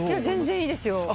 全然いいですよ。